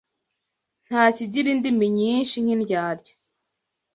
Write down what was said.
Nta kigira indimi nyinshi nk’indyarya